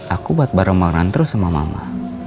aku buat bareng bareng terus sama mama